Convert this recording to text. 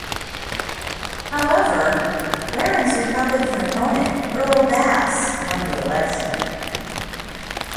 However, Wearin's Republican opponent, Earl Bass, won the election.